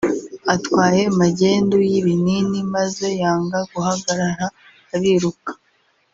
atwaye magendu y’ibinini maze yanga guhagarara ariruka